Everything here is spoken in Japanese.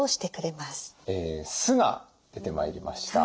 酢が出てまいりました。